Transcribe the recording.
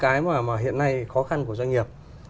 cái mà hiện nay khó khăn của doanh nghiệp